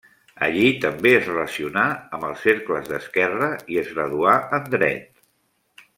Allí també es relacionà amb els cercles d'esquerra i es graduà en dret.